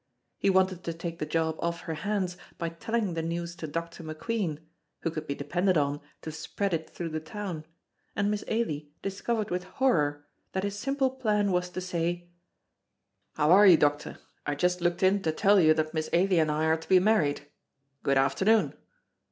He wanted to take the job off her hands by telling the news to Dr. McQueen, who could be depended on to spread it through the town, and Miss Ailie discovered with horror that his simple plan was to say, "How are you, doctor? I just looked in to tell you that Miss Ailie and I are to be married. Good afternoon."